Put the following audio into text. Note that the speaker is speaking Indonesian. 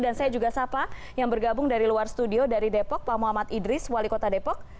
dan saya juga sapa yang bergabung dari luar studio dari depok pak muhammad idris wali kota depok